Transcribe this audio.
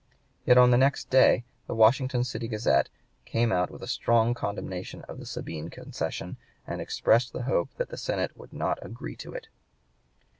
Yet on the next day the "Washington City Gazette" came out with a strong condemnation of the Sabine concession, and expressed the hope that the Senate would not agree to it.